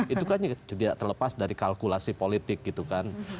itu kan tidak terlepas dari kalkulasi politik gitu kan